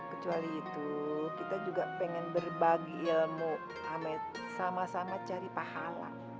kecuali itu kita juga pengen berbagi ilmu sama sama cari pahala